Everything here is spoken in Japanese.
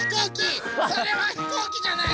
それはひこうきじゃないの？